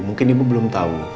mungkin ibu belum tahu